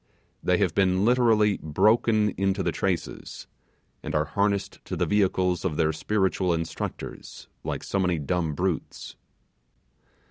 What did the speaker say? They have been literally broken into the traces, and are harnessed to the vehicles of their spiritual instructors like so many dumb brutes!